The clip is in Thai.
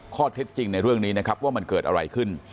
ข้อเท็จจริงในเรื่องนี้นะครับว่ามันเกิดอะไรขึ้น